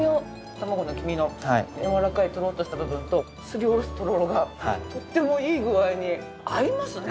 卵の黄身のやわらかいトロッとした部分とすりおろしたとろろがとってもいい具合に合いますね！